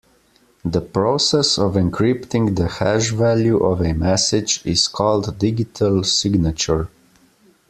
The process of encrypting the hash value of a message is called digital signature.